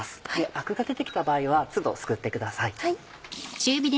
アクが出て来た場合は都度すくってください。